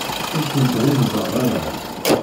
Ur kent-ɣunzaɣ ara.